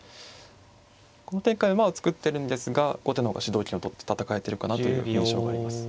この展開馬を作ってるんですが後手の方が主導権を取って戦えてるかなという印象があります。